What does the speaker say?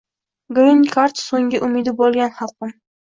«Grin kard» so‘nggi umidi bo‘lgan xalqim.